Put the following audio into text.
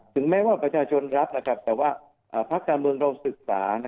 แม้ว่าประชาชนรับแต่ว่าภาคการเมืองเราศึกษา